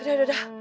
aduh aduh aduh